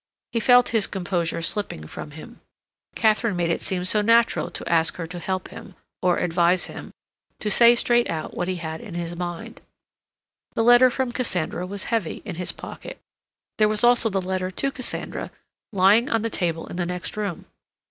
He felt his composure slipping from him. Katharine made it seem so natural to ask her to help him, or advise him, to say straight out what he had in his mind. The letter from Cassandra was heavy in his pocket. There was also the letter to Cassandra lying on the table in the next room.